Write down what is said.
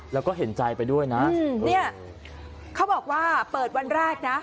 แล้วก็เห็นใจไปด้วยนะเนี่ยเขาบอกว่าเปิดวันแรกนะ